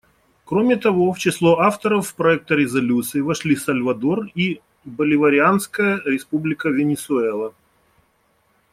Кроме того, в число авторов проекта резолюции вошли Сальвадор и Боливарианская Республика Венесуэла.